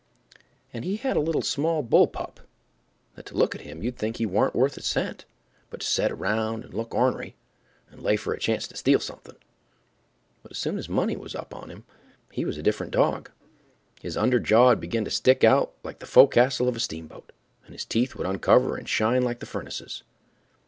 And he had a little small bull pup, that to look at him you'd think he warn't worth a cent but to set around and look ornery and lay for a chance to steal something. But as soon as money was up on him he was a different dog; his under jaw'd begin to stick out like the fo' castle of a steamboat, and his teeth would uncover and shine like the furnaces.